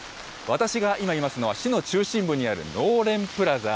私が今、いますのは市の中心部にあるのうれんプラザ。